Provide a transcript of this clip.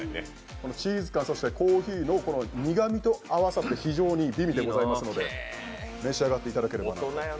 チーズとコーヒーの苦みが合わさって非常に美味でございますので、召し上がっていただければ。